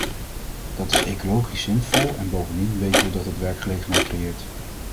Dat is ecologisch zinvol, en bovendien weten we dat het werkgelegenheid creëert.